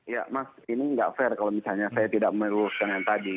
ya mas ini nggak fair kalau misalnya saya tidak meluruskan yang tadi